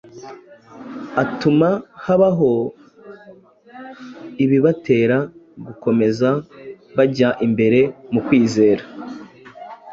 atuma habaho ibibatera gukomeza bajya imbere mu kwizera.